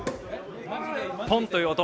ポンという音。